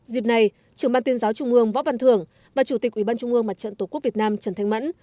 dịp này trưởng ban tuyên giáo trung ương võ văn thường và chủ tịch ubnd tổ quốc việt nam trần thanh mẫn